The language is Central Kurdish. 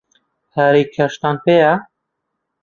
پارەی کاشتان پێیە؟